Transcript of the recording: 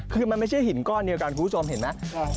คือมันไม่ใช่หินก้อนเดียวกันคุณผู้ชมเห็นไหม